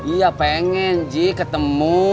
iya pengen ji ketemu